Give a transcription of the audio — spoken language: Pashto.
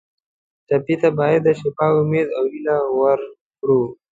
ټپي ته باید د شفا امید او هیله ورکړو.